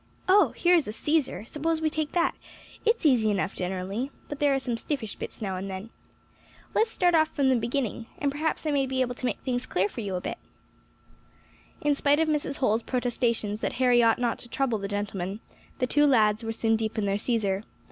"Oh! here is a Cæsar; suppose we take that; it's easy enough generally, but there are some stiffish bits now and then. Let's start off from the beginning, and perhaps I may be able to make things clear for you a bit." In spite of Mrs. Holl's protestations that Harry ought not to trouble the gentleman, the two lads were soon deep in their Cæsar.